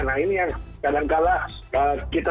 nah ini yang kadangkala kita